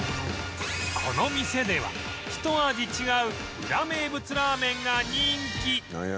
この店ではひと味違うウラ名物ラーメンが人気